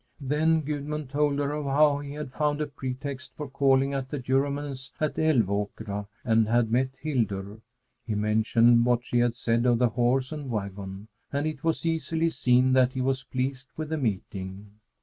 Then Gudmund told her of how he had found a pretext for calling at the Juryman's at Älvåkra and had met Hildur. He mentioned what she had said of the horse and wagon, and it was easily seen that he was pleased with the meeting.